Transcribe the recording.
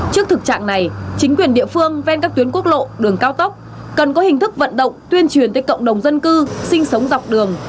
trước thực trạng này chính quyền địa phương ven các tuyến quốc lộ đường cao tốc cần có hình thức vận động tuyên truyền tới cộng đồng dân cư sinh sống dọc đường